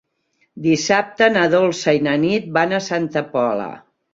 Dissabte na Dolça i na Nit van a Santa Pola.